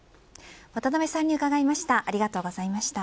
渡辺さんに伺いました。